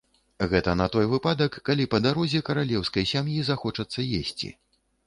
Гэта на той выпадак, калі па дарозе каралеўскай сям'і захочацца есці.